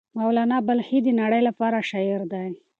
مولانا بلخي د نړۍ لپاره شاعر دی.